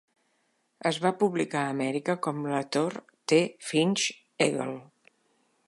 Es va publicar a Amèrica com a "Ator, The Fighting Eagle".